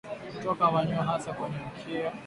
Kutoka manyoya hasa kwenye mkia